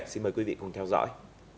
xin mời quý vị cùng theo dõi